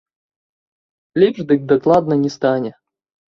Лепш дык дакладна не стане.